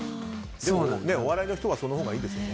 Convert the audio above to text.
お笑いの人はそのほうがいいですよね。